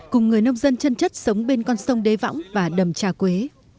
cùng người nông dân chân chất sống bên con sông đế võng và đầm trà quế